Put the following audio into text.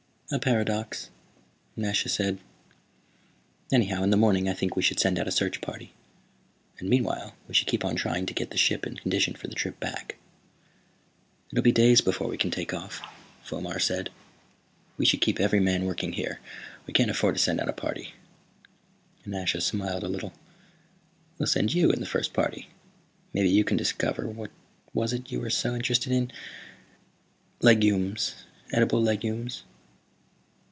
"A paradox," Nasha said. "Anyhow, in the morning I think we should send out a search party. And meanwhile we should keep on trying to get the ship in condition for the trip back." "It'll be days before we can take off," Fomar said. "We should keep every man working here. We can't afford to send out a party." Nasha smiled a little. "We'll send you in the first party. Maybe you can discover what was it you were so interested in?" "Legumes. Edible legumes."